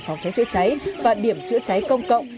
phòng cháy chữa cháy và điểm chữa cháy công cộng